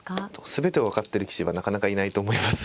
全てを分かってる棋士はなかなかいないと思います。